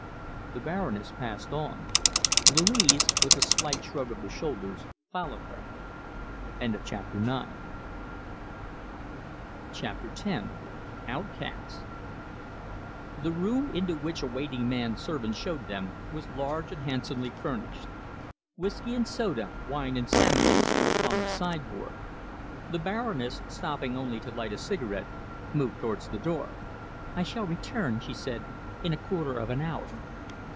The Baroness passed on. Louise, with a slight shrug of the shoulders, followed her. CHAPTER X OUTCAST The room into which a waiting man servant showed them was large and handsomely furnished. Whisky and soda, wine and sandwiches were upon the sideboard. The Baroness, stopping only to light a cigarette, moved towards the door. "I shall return," she said, "in a quarter of an hour."